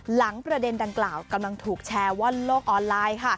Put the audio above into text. หลังประเด็นดังกล่าวกำลังถูกแชร์ว่อนโลกออนไลน์ค่ะ